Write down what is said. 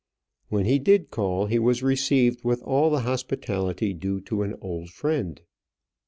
When he did call, he was received with all the hospitality due to an old friend.